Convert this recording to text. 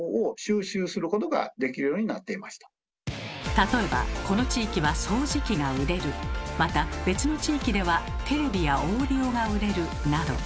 例えばこの地域は掃除機が売れるまた別の地域ではテレビやオーディオが売れるなど。